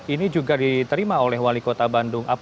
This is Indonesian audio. ini juga diterima oleh wali kota bandung